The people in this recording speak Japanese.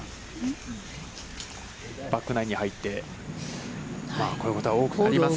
バックナインに入って、こういうことが多くありますね。